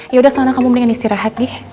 yaudah selama kamu mendingan istirahat deh